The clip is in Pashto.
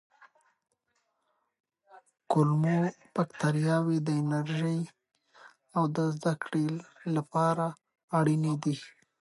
کولمو بکتریاوې د انرژۍ او زده کړې لپاره اړینې دي.